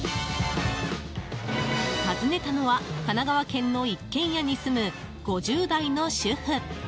訪ねたのは神奈川県の一軒家に住む５０代の主婦。